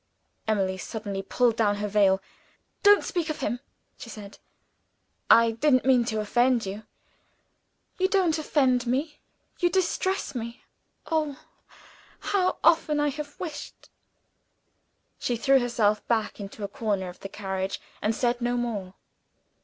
Emily suddenly pulled down her veil. "Don't speak of him!" she said. "I didn't mean to offend you." "You don't offend me. You distress me. Oh, how often I have wished !" She threw herself back in a corner of the carriage and said no more.